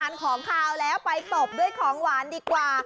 ของขาวแล้วไปตบด้วยของหวานดีกว่า